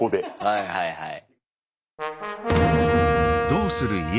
はいはいはい。